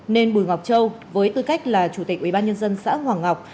nên bùi ngọc châu với tư cách là chủ tịch ủy ban nhân dân xã hoàng ngọc